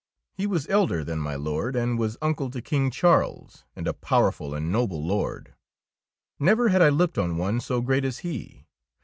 He was elder than my Lord, and was uncle to King Charles, and a powerful and noble lord. Never had I looked on one so great as he.